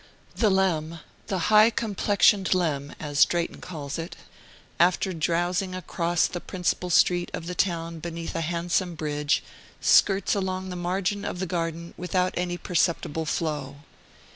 The Leam, the "high complectioned Leam," as Drayton calls it, after drowsing across the principal street of the town beneath a handsome bridge, skirts along the margin of the Garden without any perceptible flow.